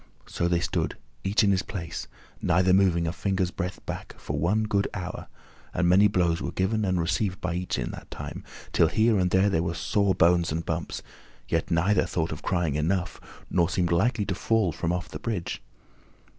So they stood, each in his place, neither moving a finger's breadth back, for one good hour, and many blows were given and received by each in that time, till here and there were sore bones and bumps, yet neither thought of crying "Enough," nor seemed likely to fall from off the bridge.